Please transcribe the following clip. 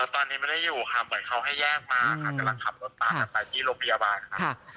ตอนนี้ไม่ได้อยู่ค่ะเหมือนเขาให้แยกมาค่ะกำลังขับรถพากันไปที่โรงพยาบาลค่ะ